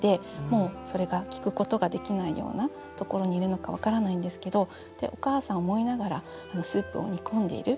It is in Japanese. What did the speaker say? もうそれが聴くことができないようなところにいるのか分からないんですけどお母さんを思いながらスープを煮込んでいる。